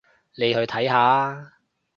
你去睇下吖